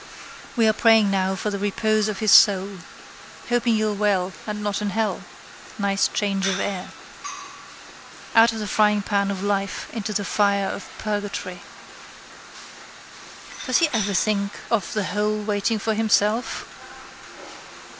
We are praying now for the repose of his soul. Hoping you're well and not in hell. Nice change of air. Out of the fryingpan of life into the fire of purgatory. Does he ever think of the hole waiting for himself?